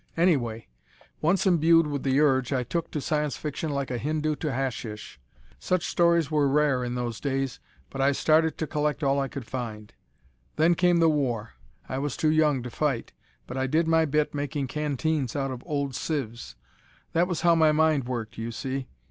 Anyway, once imbued with the urge I took to Science Fiction like a Hindu to hashish. Such stories were rare in those days, but I started to collect all I could find. Then came the war. I was too young to fight, but I did my bit making canteens out of old sieves. That was how my mind worked, you see.